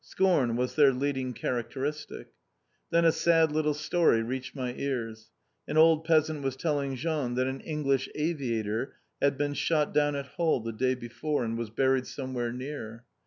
Scorn was their leading characteristic. Then a sad little story reached my ears. An old peasant was telling Jean that an English aviator had been shot down at Hall the day before, and was buried somewhere near.